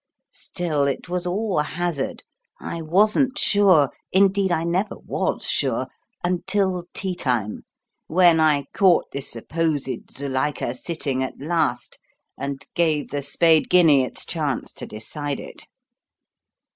Still, it was all hazard. I wasn't sure indeed, I never was sure until tea time, when I caught this supposed 'Zuilika' sitting at last, and gave the spade guinea its chance to decide it."